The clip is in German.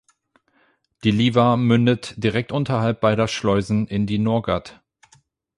Die Liwa mündet direkt unterhalb beider Schleusen in die Nogat.